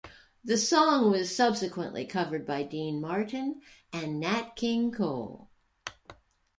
The song was subsequently covered by Dean Martin and Nat King Cole.